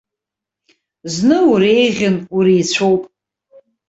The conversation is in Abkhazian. Зны уреиӷьын, уреицәоуп.